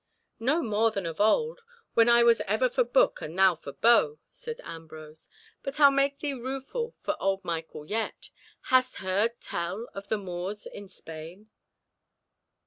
"No more than of old, when I was ever for book and thou for bow," said Ambrose; "but I'll make thee rueful for old Michael yet. Hast heard tell of the Moors in Spain?"